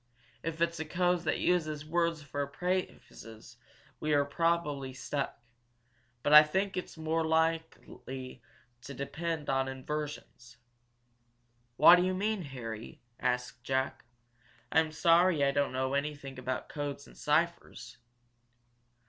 If it's a code that uses words for phrases we've probably stuck, but I think its more likely to depend on inversions." "What do you mean, Harry?" asked Jack. "I'm sorry I don't know anything about codes and ciphers."